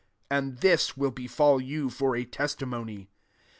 13 And thU w3l befiill you, for a testimony.